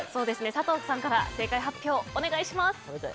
佐藤さんから正解発表お願いします。